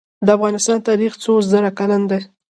د افغانستان تاریخ څو زره کلن دی؟